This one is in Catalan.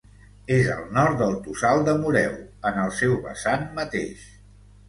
És al nord del Tossal de Moreu, en el seu vessant mateix.